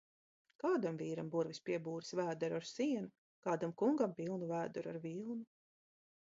Kādam vīram burvis piebūris vēderu ar sienu, kādam kungam pilnu vēderu ar vilnu.